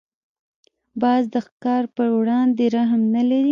باز د ښکار پر وړاندې رحم نه لري